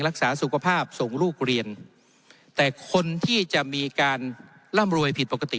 รักษาสุขภาพส่งลูกเรียนแต่คนที่จะมีการร่ำรวยผิดปกติ